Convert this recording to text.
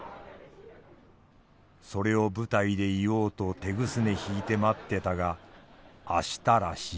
それを舞台で言おうと手ぐすね引いて待ってたが明日らしい。